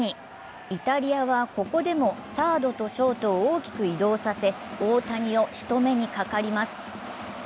イタリアはここでもサードとショートを大きく移動させ大谷をしとめにかかります。